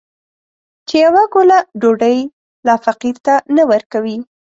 چې يوه ګوله ډوډۍ لا فقير ته نه ورکوي.